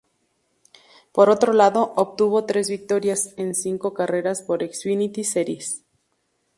Por otro lado, obtuvo tres victorias en cinco carreras por Xfinity Series.